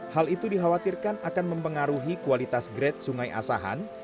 hal itu dikhawatirkan akan mempengaruhi kualitas grade sungai asahan